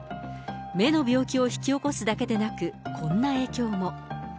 目の病気を引き起こすだけでなく、こんな影響も。